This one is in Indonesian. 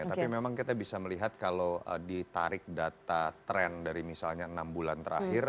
tapi memang kita bisa melihat kalau ditarik data tren dari misalnya enam bulan terakhir